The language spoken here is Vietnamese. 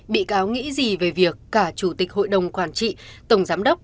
bị cáo nghĩ gì về việc cả chủ tịch hội đồng quản trị tổng giám đốc